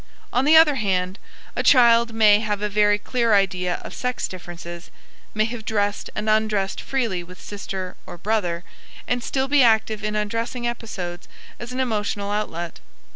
On the other hand, a child may have a very clear idea of sex differences, may have dressed and undressed freely with sister or brother, and still be active in undressing episodes as an emotional outlet.